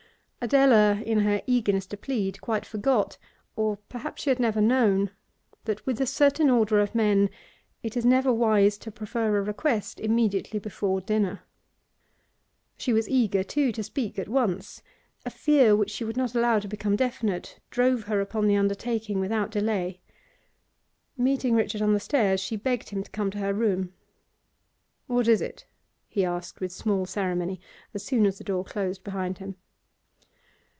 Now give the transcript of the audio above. Adela, in her eagerness to plead, quite forgot (or perhaps she had never known) that with a certain order of men it is never wise to prefer a request immediately before dinner. She was eager, too, to speak at once; a fear, which she would not allow to become definite, drove her upon the undertaking without delay. Meeting Richard on the stairs she begged him to come to her room. 'What is it?' he asked with small ceremony, as soon as the door closed behind him.